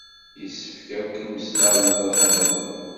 Yessefk akk imaslaḍen ad ḥedṛen.